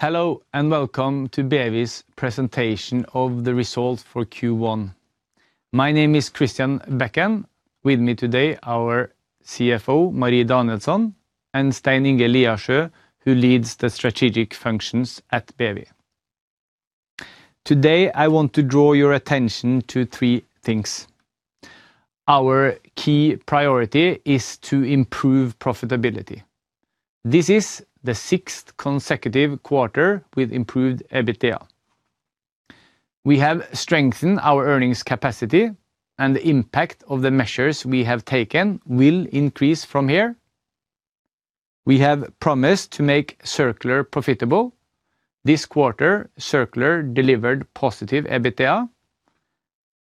Hello, and welcome to BEWI's presentation of the results for Q1. My name is Christian Bekken. With me today, our CFO, Marie Danielsson, and Stein Inge Liasjø, who leads the strategic functions at BEWI. Today, I want to draw your attention to three things. Our key priority is to improve profitability. This is the sixth consecutive quarter with improved EBITDA. We have strengthened our earnings capacity and the impact of the measures we have taken will increase from here. We have promised to make Circular profitable. This quarter, Circular delivered positive EBITDA,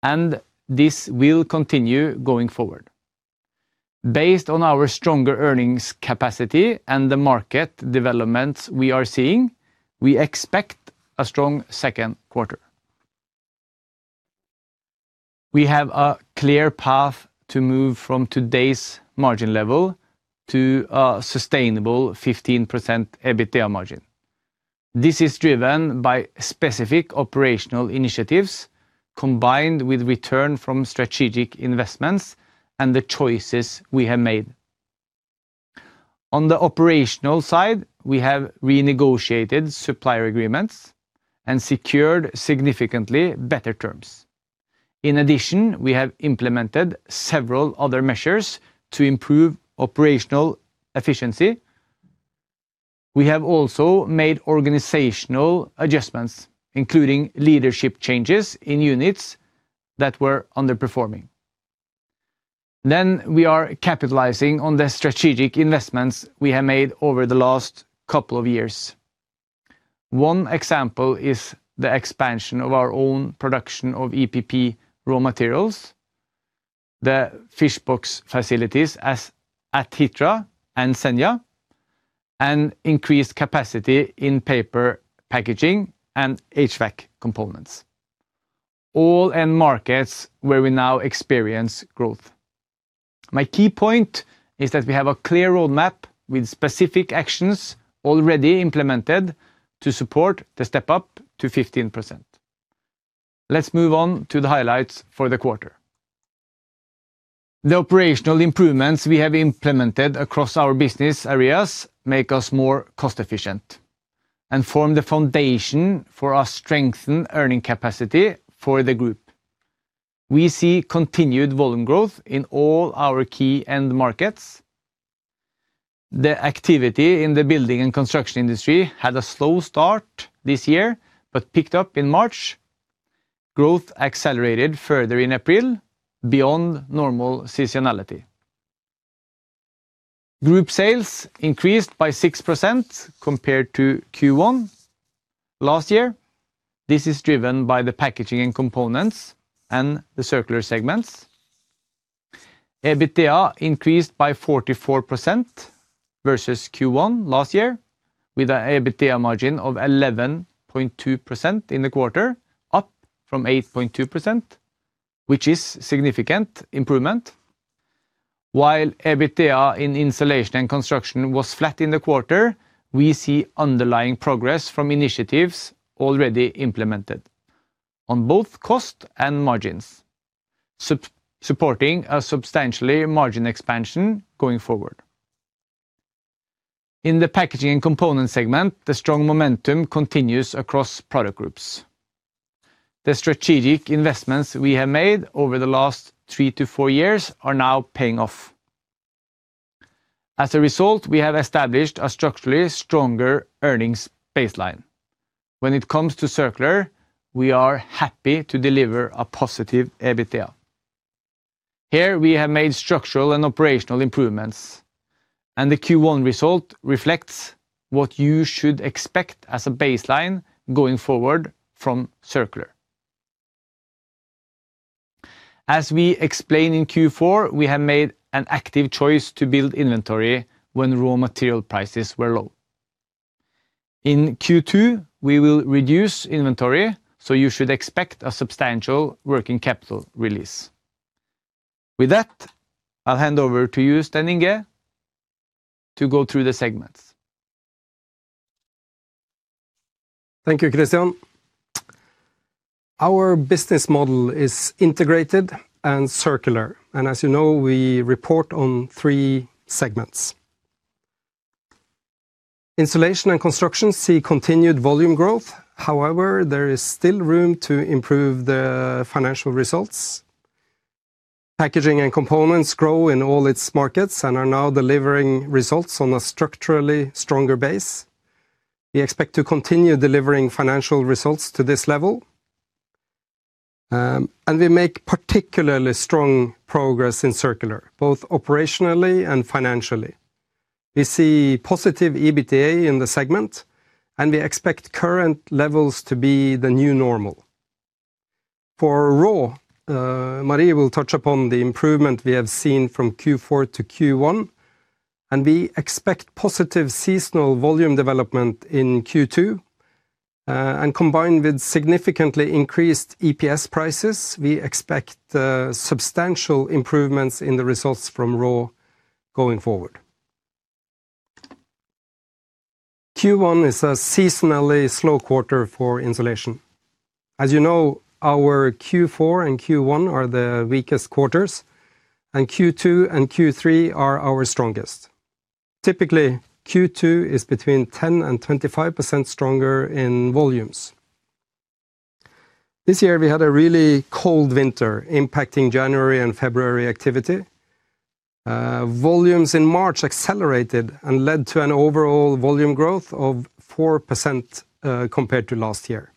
and this will continue going forward. Based on our stronger earnings capacity and the market developments we are seeing, we expect a strong second quarter. We have a clear path to move from today's margin level to a sustainable 15% EBITDA margin. This is driven by specific operational initiatives, combined with return from strategic investments and the choices we have made. On the operational side, we have re-negotiated supplier agreements and secured significantly better terms. In addition, we have implemented several other measures to improve operational efficiency. We have also made organizational adjustments, including leadership changes in units that were underperforming. We are capitalizing on the strategic investments we have made over the last couple of years. One example is the expansion of our own production of EPP raw materials, the fish box facilities at Hitra and Senja, and increased capacity in paper packaging and HVAC components, all end markets where we now experience growth. My key point is that we have a clear roadmap with specific actions already implemented to support the step-up to 15%. Let's move on to the highlights for the quarter. The operational improvements we have implemented across our business areas make us more cost-efficient and form the foundation for our strengthened earning capacity for the group. We see continued volume growth in all our key end markets. The activity in the building and construction industry had a slow start this year, but picked up in March. Growth accelerated further in April beyond normal seasonality. Group sales increased by 6% compared to Q1 last year. This is driven by the Packaging and Components and the Circular segments. EBITDA increased by 44% versus Q1 last year, with an EBITDA margin of 11.2% in the quarter, up from 8.2%, which is significant improvement. While EBITDA in Insulation and Construction was flat in the quarter, we see underlying progress from initiatives already implemented on both cost and margins, supporting a substantially margin expansion going forward. In the Packaging and Components segment, the strong momentum continues across product groups. The strategic investments we have made over the last three to four years are now paying off. We have established a structurally stronger earnings baseline. When it comes to Circular, we are happy to deliver a positive EBITDA. Here, we have made structural and operational improvements, and the Q1 result reflects what you should expect as a baseline going forward from Circular. As we explained in Q4, we have made an active choice to build inventory when raw material prices were low. In Q2, we will reduce inventory, so you should expect a substantial working capital release. With that, I'll hand over to you, Stein Inge, to go through the segments. Thank you, Christian. Our business model is integrated and Circular. As you know, we report on three segments. Insulation and Construction see continued volume growth. However, there is still room to improve the financial results. Packaging and Components grow in all its markets and are now delivering results on a structurally stronger base. We expect to continue delivering financial results to this level. We make particularly strong progress in Circular, both operationally and financially. We see positive EBITDA in the segment. We expect current levels to be the new normal. For RAW, Marie will touch upon the improvement we have seen from Q4 to Q1. We expect positive seasonal volume development in Q2. Combined with significantly increased EPS prices, we expect substantial improvements in the results from RAW going forward. Q1 is a seasonally slow quarter for insulation. As you know, our Q4 and Q1 are the weakest quarters, and Q2 and Q3 are our strongest. Typically, Q2 is between 10 and 25% stronger in volumes. This year we had a really cold winter impacting January and February activity. Volumes in March accelerated and led to an overall volume growth of 4% compared to last year.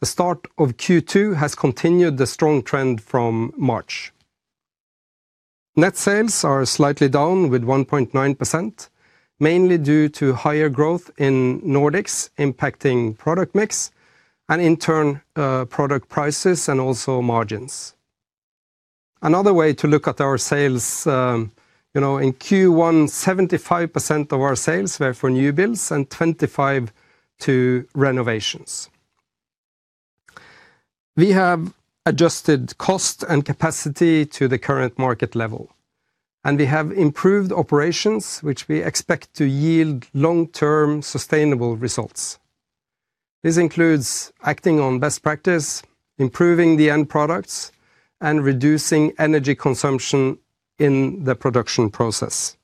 The start of Q2 has continued the strong trend from March. Net sales are slightly down with 1.9%, mainly due to higher growth in Nordics impacting product mix and in turn, product prices and also margins. Another way to look at our sales, you know, in Q1, 75% of our sales were for new builds and 25% to renovations. We have adjusted cost and capacity to the current market level, and we have improved operations, which we expect to yield long-term sustainable results. This includes acting on best practice, improving the end products, and reducing energy consumption in the production process.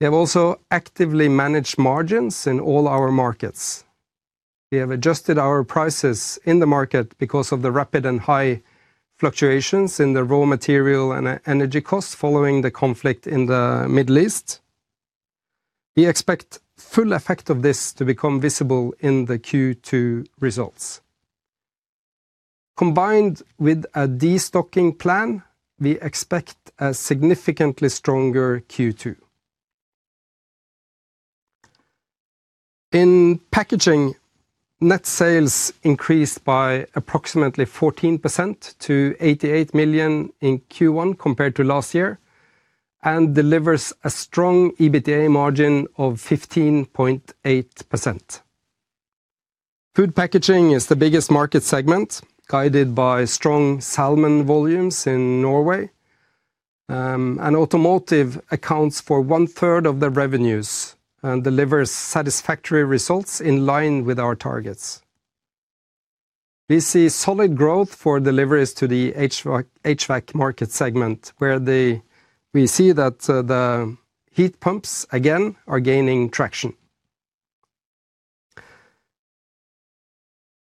We have also actively managed margins in all our markets. We have adjusted our prices in the market because of the rapid and high fluctuations in the raw material and energy costs following the conflict in the Middle East. We expect full effect of this to become visible in the Q2 results. Combined with a de-stocking plan, we expect a significantly stronger Q2. In Packaging, net sales increased by approximately 14% to 88 million in Q1 compared to last year, and delivers a strong EBITDA margin of 15.8%. Food packaging is the biggest market segment, guided by strong salmon volumes in Norway. Automotive accounts for one-third of the revenues and delivers satisfactory results in line with our targets. We see solid growth for deliveries to the HVAC market segment, where we see that the heat pumps again are gaining traction.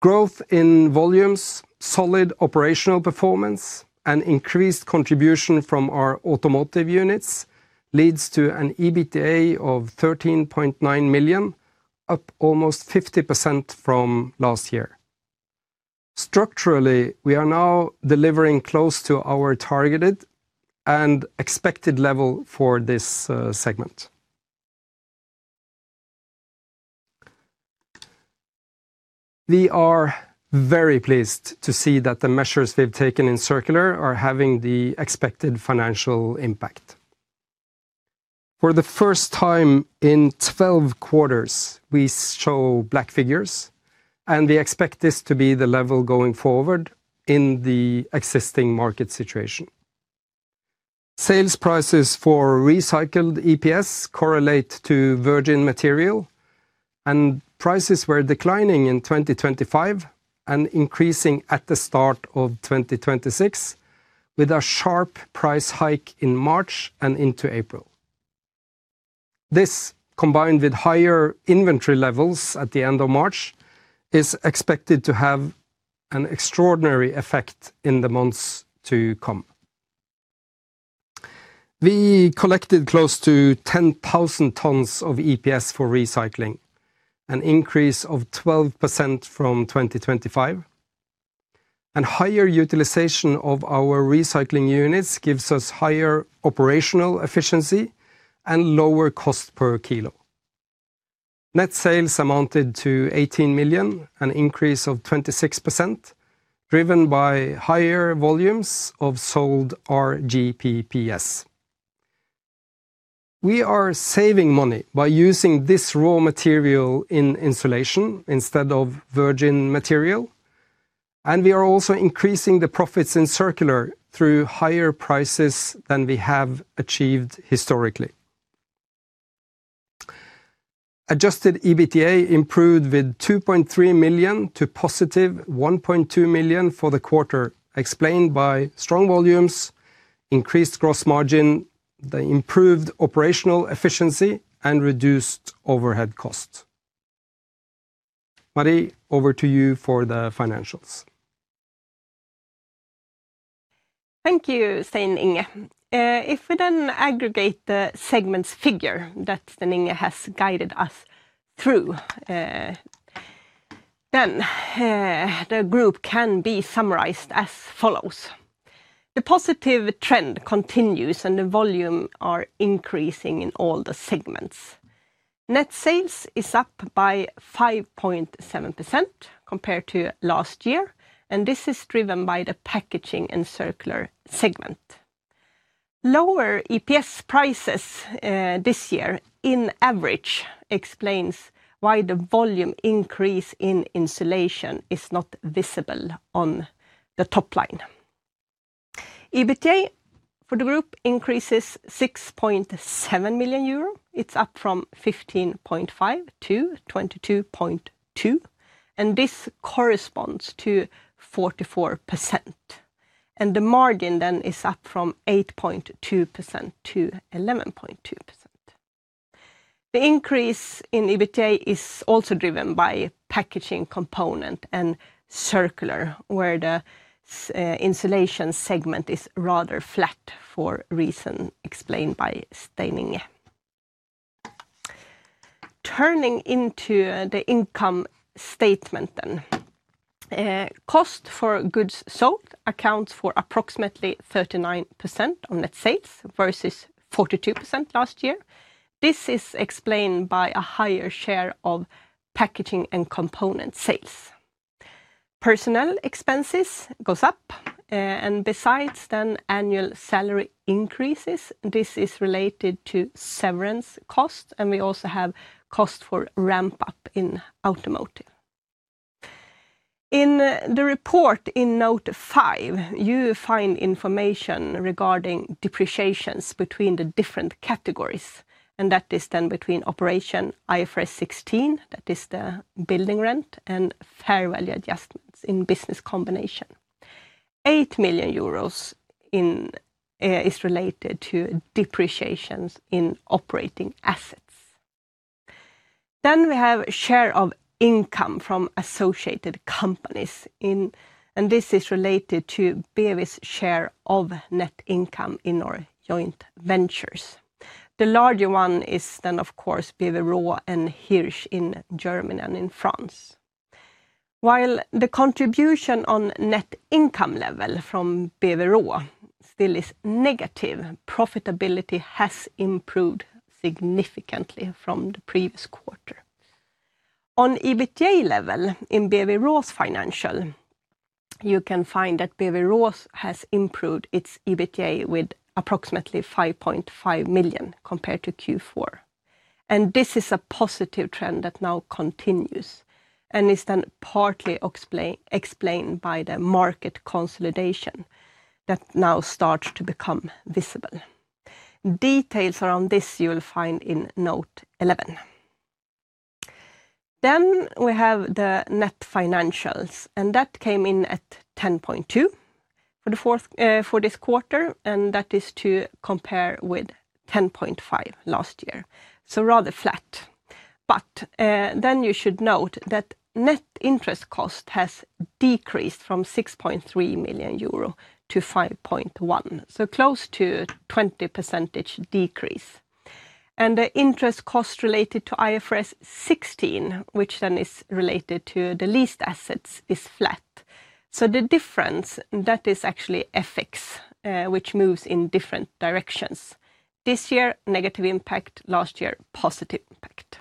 Growth in volumes, solid operational performance, and increased contribution from our automotive units leads to an EBITDA of 13.9 million, up almost 50% from last year. Structurally, we are now delivering close to our targeted and expected level for this segment. We are very pleased to see that the measures we've taken in Circular are having the expected financial impact. For the first time in 12 quarters, we show black figures, and we expect this to be the level going forward in the existing market situation. Sales prices for recycled EPS correlate to virgin material, and prices were declining in 2025 and increasing at the start of 2026, with a sharp price hike in March and into April. This, combined with higher inventory levels at the end of March, is expected to have an extraordinary effect in the months to come. We collected close to 10,000 tons of EPS for recycling, an increase of 12% from 2025. Higher utilization of our recycling units gives us higher operational efficiency and lower cost per kilo. Net sales amounted to 18 million, an increase of 26%, driven by higher volumes of sold rGPPS. We are saving money by using this raw material in insulation instead of virgin material, and we are also increasing the profits in Circular through higher prices than we have achieved historically. Adjusted EBITDA improved with 2.3 million to +1.2 million for the quarter, explained by strong volumes, increased gross margin, the improved operational efficiency, and reduced overhead cost. Marie, over to you for the financials. Thank you, Stein Inge. If we aggregate the segments figure that Stein Inge has guided us through, the group can be summarized as follows. The positive trend continues, the volume are increasing in all the segments. Net sales is up by 5.7% compared to last year, this is driven by the Packaging and Circular segment. Lower EPS prices this year in average explains why the volume increase in insulation is not visible on the top line. EBITDA for the group increases 6.7 million euro. It's up from 15.5-22.2, this corresponds to 44%. The margin then is up from 8.2%-11.2%. The increase in EBITDA is also driven by Packaging and Components and Circular, where the insulation segment is rather flat for reason explained by Stein Inge. Turning into the income statement. Cost for goods sold accounts for approximately 39% on net sales versus 42% last year. This is explained by a higher share of Packaging and Components sales. Personnel expenses goes up, besides then annual salary increases, this is related to severance costs, and we also have cost for ramp-up in automotive. In the report in note five, you find information regarding depreciations between the different categories, that is then between operation IFRS 16, that is the building rent, and fair value adjustments in business combination. 8 million euros is related to depreciations in operating assets. We have share of income from associated companies. This is related to BEWI's share of net income in our joint ventures. The larger one is then, of course, BEWI RAW and HIRSCH in Germany and in France. While the contribution on net income level from BEWI RAW still is negative, profitability has improved significantly from the previous quarter. On EBITDA level in BEWI RAW's financial, you can find that BEWI RAW has improved its EBITDA with approximately 5.5 million compared to Q4. This is a positive trend that now continues and is then partly explained by the market consolidation that now starts to become visible. Details around this you will find in note 11. We have the net financials, and that came in at 10.2 for the fourth, for this quarter, and that is to compare with 10.5 last year, so rather flat. Then you should note that net interest cost has decreased from 6.3 million-5.1 million euro, so close to 20% decrease. The interest cost related to IFRS 16, which then is related to the leased assets, is flat. The difference, that is actually FX, which moves in different directions. This year, negative impact, last year, positive impact.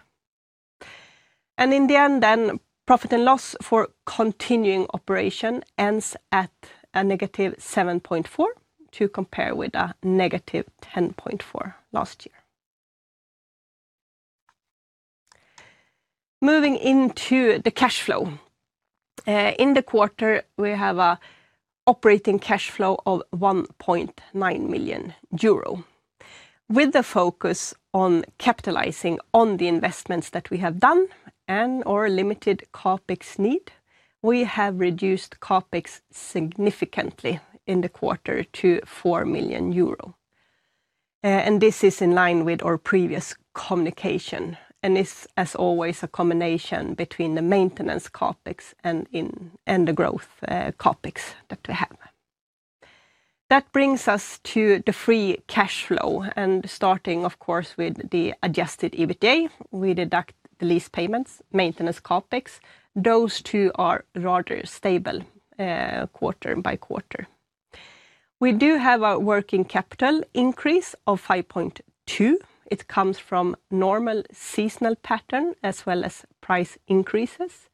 In the end, profit and loss for continuing operation ends at a -7.4 to compare with a -10.4 last year. Moving into the cash flow. In the quarter, we have a operating cash flow of 1.9 million euro. With the focus on capitalizing on the investments that we have done and our limited CapEx need, we have reduced CapEx significantly in the quarter to 4 million euro. This is in line with our previous communication and is, as always, a combination between the maintenance CapEx and the growth CapEx that we have. That brings us to the free cash flow, starting, of course, with the adjusted EBITDA, we deduct the lease payments, maintenance CapEx. Those two are rather stable, quarter-by-quarter. We do have a working capital increase of 5.2. It comes from normal seasonal pattern as well as price increases,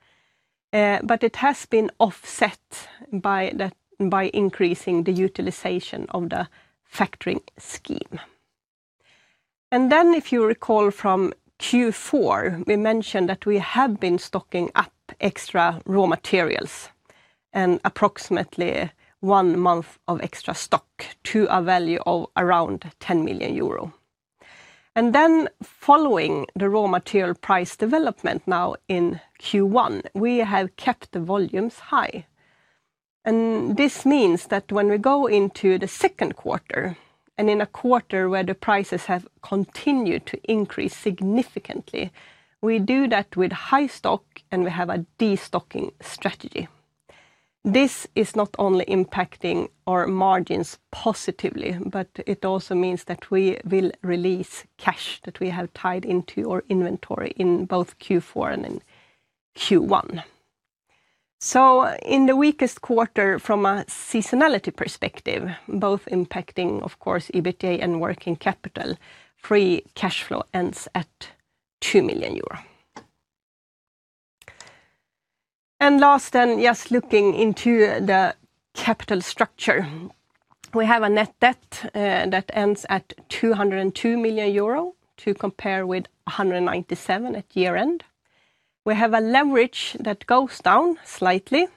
but it has been offset by increasing the utilization of the factoring scheme. If you recall from Q4, we mentioned that we have been stocking up extra raw materials and approximately one month of extra stock to a value of around 10 million euro. Following the raw material price development now in Q1, we have kept the volumes high. This means that when we go into the second quarter, and in a quarter where the prices have continued to increase significantly, we do that with high stock, and we have a destocking strategy. This is not only impacting our margins positively, but it also means that we will release cash that we have tied into our inventory in both Q4 and in Q1. In the weakest quarter from a seasonality perspective, both impacting, of course, EBITDA and working capital, free cash flow ends at 2 million euro. Last, just looking into the capital structure. We have a net debt that ends at 202 million euro to compare with 197 million at year-end. We have a leverage that goes down slightly,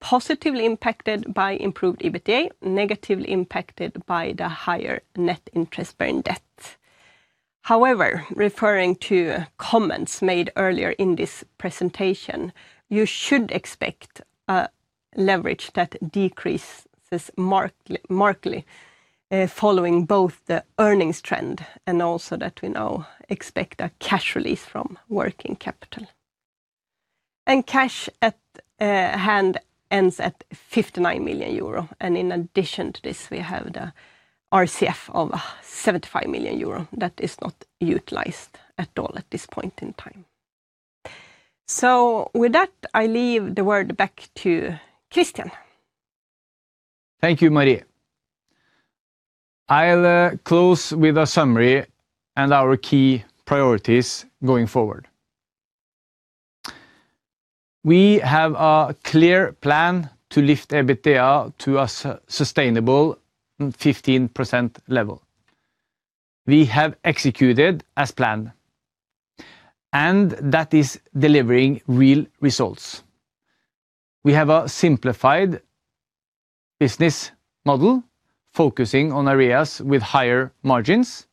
positively impacted by improved EBITDA, negatively impacted by the higher net interest-bearing debt. However, referring to comments made earlier in this presentation, you should expect a leverage that decreases markedly, following both the earnings trend and also that we now expect a cash release from working capital. Cash at hand ends at 59 million euro, and in addition to this, we have the RCF of 75 million euro that is not utilized at all at this point in time. With that, I leave the word back to Christian. Thank you, Marie. I'll close with a summary and our key priorities going forward. We have a clear plan to lift EBITDA to a sustainable 15% level. We have executed as planned, and that is delivering real results. We have a simplified business model focusing on areas with higher margins,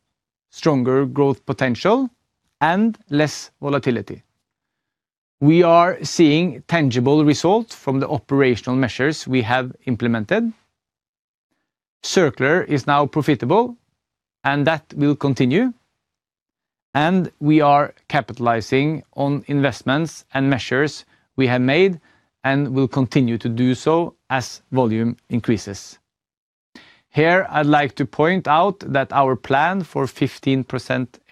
stronger growth potential, and less volatility. We are seeing tangible results from the operational measures we have implemented. Circular is now profitable, and that will continue, and we are capitalizing on investments and measures we have made and will continue to do so as volume increases. Here, I'd like to point out that our plan for 15%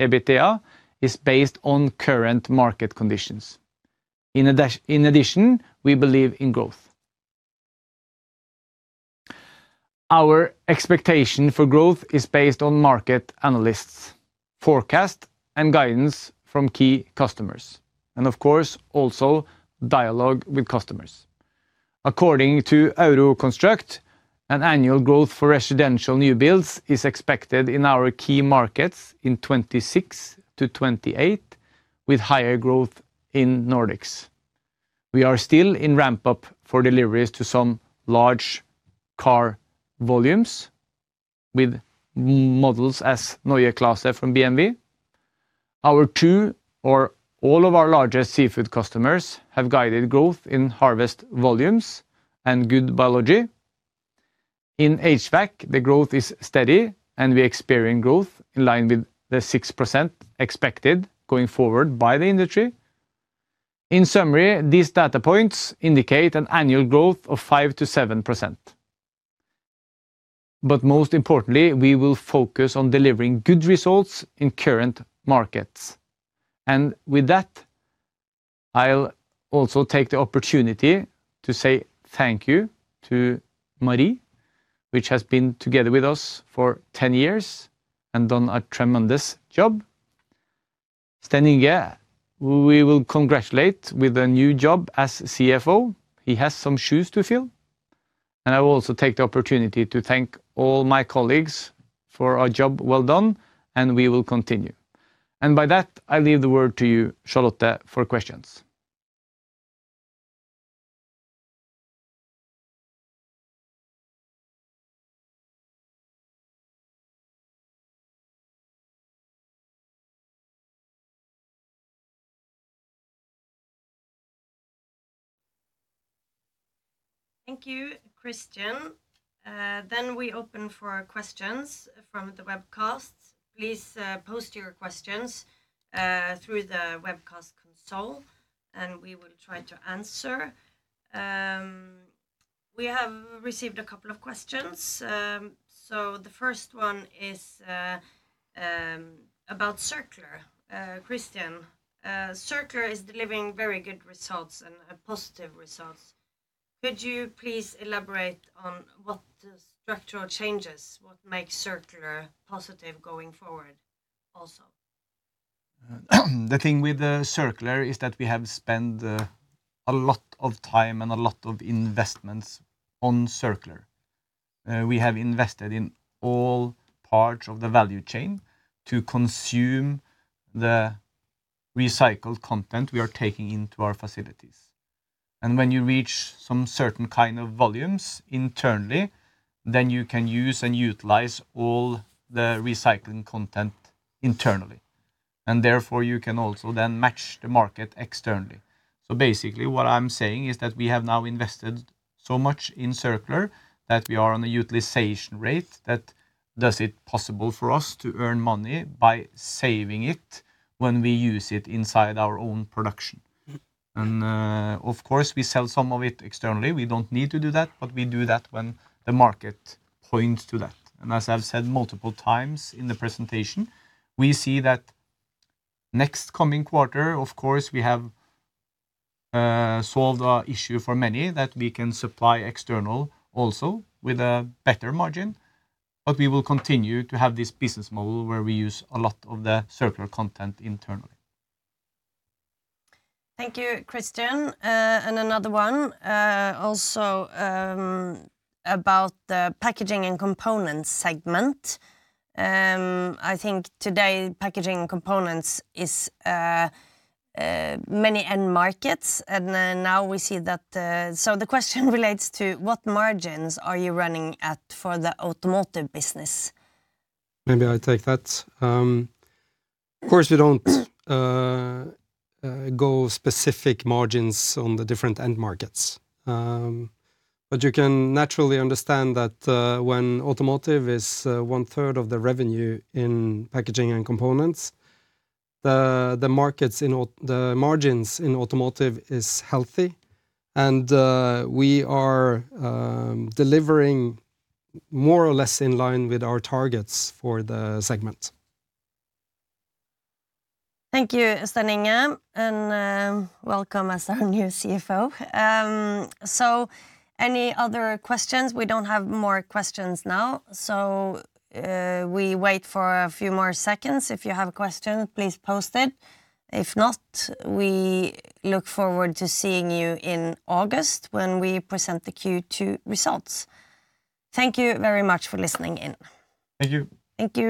EBITDA is based on current market conditions. In addition, we believe in growth. Our expectation for growth is based on market analysts, forecast, and guidance from key customers and, of course, also dialogue with customers. According to EUROCONSTRUCT, an annual growth for residential new builds is expected in our key markets in 2026-2028, with higher growth in Nordics. We are still in ramp-up for deliveries to some large car volumes with m-models as Neue Klasse from BMW. Our two or all of our largest seafood customers have guided growth in harvest volumes and good biology. In HVAC, the growth is steady, and we experience growth in line with the 6% expected going forward by the industry. In summary, these data points indicate an annual growth of 5%-7%. We will focus on delivering good results in current markets. I will also take the opportunity to say thank you to Marie, which has been together with us for 10 years and done a tremendous job. Stein Inge, we will congratulate with a new job as CFO. He has some shoes to fill. I will also take the opportunity to thank all my colleagues for a job well done, and we will continue. By that, I leave the word to you, Charlotte, for questions. Thank you, Christian. We open for questions from the webcast. Please post your questions through the webcast console, and we will try to answer. We have received a couple of questions. The first one is about Circular. Christian, Circular is delivering very good results and positive results. Could you please elaborate on what structural changes, what makes Circular positive going forward also? The thing with Circular is that we have spent a lot of time and a lot of investments on Circular. We have invested in all parts of the value chain to consume the recycled content we are taking into our facilities. When you reach some certain kind of volumes internally, then you can use and utilize all the recycling content internally, and therefore, you can also then match the market externally. Basically, what I'm saying is that we have now invested so much in Circular that we are on a utilization rate that does it possible for us to earn money by saving it when we use it inside our own production. Of course, we sell some of it externally. We don't need to do that, but we do that when the market points to that. As I've said multiple times in the presentation, we see that next coming quarter, of course, we have solved our issue for many, that we can supply external also with a better margin. We will continue to have this business model where we use a lot of the Circular content internally. Thank you, Christian. another one, also, about the Packaging and Components segment. I think today Packaging and Components is many end markets. The question relates to, "What margins are you running at for the automotive business? Maybe I take that. Of course, we don't go specific margins on the different end markets. You can naturally understand that when automotive is one-third of the revenue in Packaging and Components, the margins in automotive is healthy and we are delivering more or less in line with our targets for the segment. Thank you, Stein Inge, and welcome as our new CFO. Any other questions? We don't have more questions now, we wait for a few more seconds. If you have a question, please post it. We look forward to seeing you in August when we present the Q2 results. Thank you very much for listening in. Thank you. Thank you.